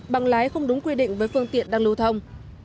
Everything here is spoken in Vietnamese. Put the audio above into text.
bằng lái không đúng quy định với phương tiện đang lưu thông